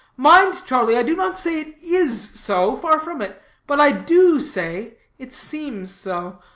Mind, Charlie, I do not say it is so, far from it; but I do say it seems so.